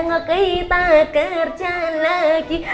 sekarang kita kerja lagi